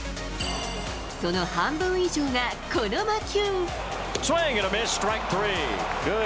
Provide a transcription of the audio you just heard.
その半分以上がこの魔球。